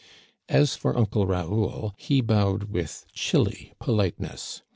As for Uncle Raoul, he bowed with chilly politeness.